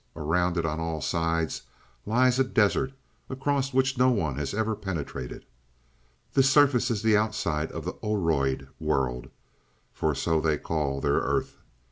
Around it on all sides lies a desert, across which no one has ever penetrated. "This surface is the outside of the Oroid world, for so they call their earth.